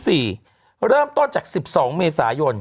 เริ่มต้นจาก๑๒เมษายน